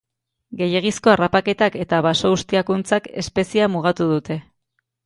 Gehiegizko harrapaketak eta baso-ustiakuntzak espeziea mugatu dute.